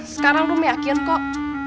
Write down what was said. sekarang rom yakin kok